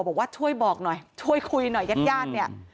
บอกว่าช่วยบอกหน่อยช่วยคุยหน่อยยัดเนี่ย